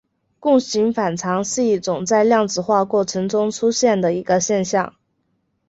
共形反常是一种在量子化过程中出现的一个现象。